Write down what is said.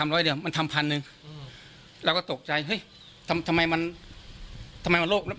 เราเลยตกใจทำไมมันโลก